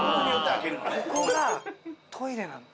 ここがトイレなの。